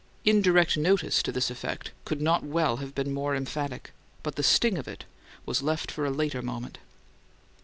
Indirect notice to this effect could not well have been more emphatic, but the sting of it was left for a later moment.